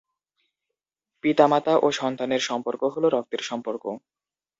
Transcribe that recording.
পিতা মাতা ও সন্তানের সম্পর্ক হলো রক্তের সম্পর্ক।